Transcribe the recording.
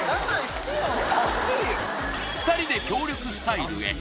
２人で協力スタイルへ